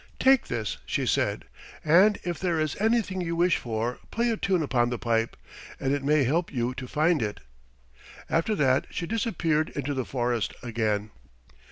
"Take this," she said, "and if there is anything you wish for play a tune upon the pipe, and it may help you to find it." After that she disappeared into the forest again.